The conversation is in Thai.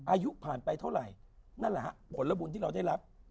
อายุผ่านไปเท่าไหร่นั่นแหละฮะผลบุญที่เราได้รับ